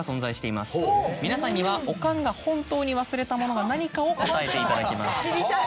皆さんにはおかんが本当に忘れたものが何かを答えていただきます。